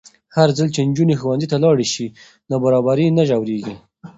هرځل چې نجونې ښوونځي ته ولاړې شي، نابرابري نه ژورېږي.